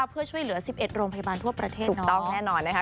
เพื่อช่วยเหลือ๑๑โรงพยาบาลทั่วประเทศถูกต้องแน่นอนนะคะ